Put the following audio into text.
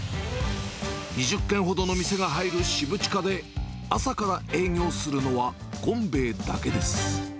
２０軒ほどの店が入るしぶちかで、朝から営業するのは、権米衛だけです。